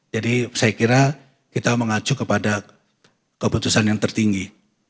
jadi saya kira kita mengacu kepada keputusan yang tertinggi